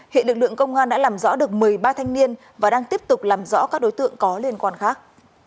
hiện lực lượng công an đã làm rõ được một mươi ba thanh niên và đang tiếp tục làm rõ các đối tượng có liên quan khác